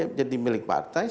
nah kapan dia jadi milik partai